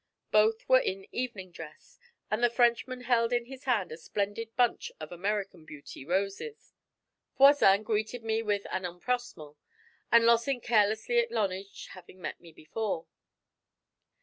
Both were in evening dress, and the Frenchman held in his hand a splendid bunch of American Beauty roses. Voisin greeted me with empressement, and Lossing carelessly acknowledged 'having met me before.'